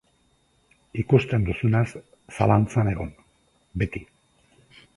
Ikusten duzunaz zalantzan egon, beti.